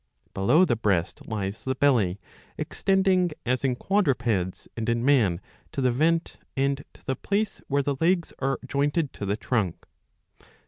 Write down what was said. ^* Below the breast lies the belly, extending, as in quadrupeds and in man, to the vent and to the place where the legs are jointed to the trunk.